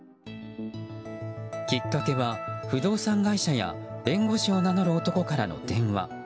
きっかけは不動産会社や弁護士を名乗る男からの電話。